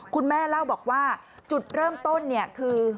คุณแม่เล่าบอกว่าจุดเริ่มต้นเนี่ยคือ